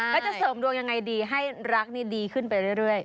ใช่แล้วจะเสริมดวงอย่างไรดีให้รักดีขึ้นไปเรื่อย